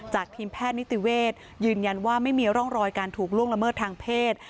ทีมแพทย์นิติเวศยืนยันว่าไม่มีร่องรอยการถูกล่วงละเมิดทางเพศ